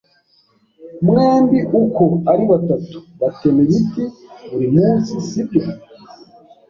Mwembi uko ari batatu batema ibiti buri munsi, sibyo?